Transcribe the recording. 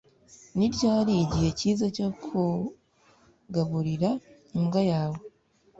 Ni ryari igihe cyiza cyo kugaburira imbwa yawe